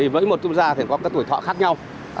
với một quốc gia thì có các tuổi thọ khác nhau